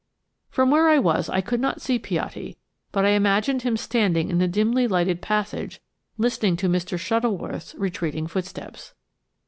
From where I was I could not see Piatti, but I imagined him standing in the dimly lighted passage listening to Mr. Shuttleworth's retreating footsteps.